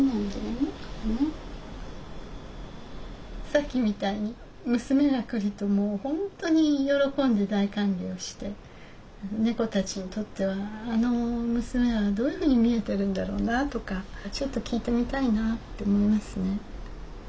さっきみたいに娘が来るともう本当に喜んで大歓迎をして猫たちにとってはあの娘はどういうふうに見えてるんだろうなとかちょっと聞いてみたいなって思いますね。